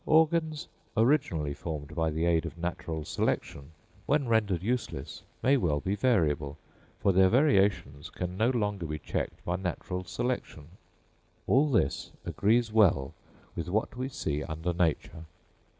Organs, originally formed by the aid of natural selection, when rendered useless may well be variable, for their variations can no longer be checked by natural selection. All this agrees well with what we see under nature.